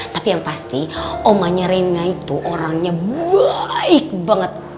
tapi yang pasti omanya rena itu orangnya baik banget